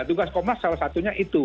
tugas komnas salah satunya itu